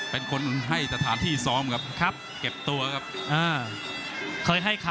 เป็นคนให้สถานที่ซ้อมครับเก็บตัวครับ